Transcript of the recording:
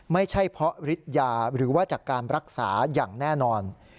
ไม่ใช่เพราะฤทธิ์ยาหรือว่าจากการรักษาอย่างแน่นอน